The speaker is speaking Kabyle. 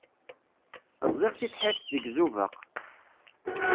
Ẓẓiɣ tibḥirt deg Izubaq.